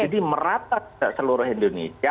jadi merata seluruh indonesia